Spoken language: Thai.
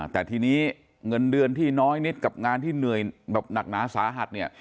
แต่ทีนี้เงินเดือนที่น้อยนิดกับงานที่เหนื่อยแบบหนักหนาสาหัสเนี่ย